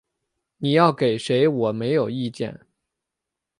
你要给谁我没有意见